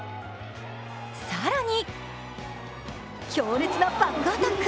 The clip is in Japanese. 更に強烈なバックアタック。